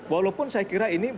walaupun saya kira ini